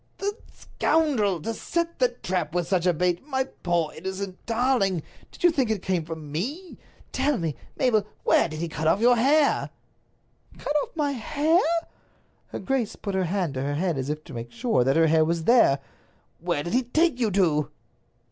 "The scoundrel! To set a trap with such a bait! My poor innocent darling, did you think it came from me? Tell me, Mabel, where did he cut off your hair?" "Cut off my hair?" Her grace put her hand to her head as if to make sure that her hair was there. "Where did he take you to?"